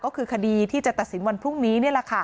ก็คือคดีที่จะตัดสินวันพรุ่งนี้